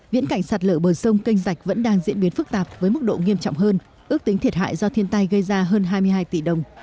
viễn cảnh sạt lở bờ sông kênh rạch vẫn đang diễn biến phức tạp với mức độ nghiêm trọng hơn ước tính thiệt hại do thiên tai gây ra hơn hai mươi hai tỷ đồng